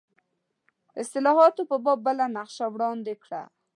اصلاحاتو په باب بله نقشه وړاندې کړه.